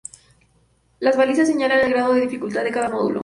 Las balizas señalan el grado de dificultad de cada módulo.